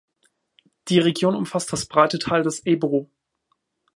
Die Region umfasst das breite Tal des Ebro.